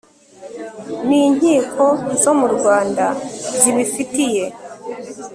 n inkiko zo mu Rwanda zibifitiye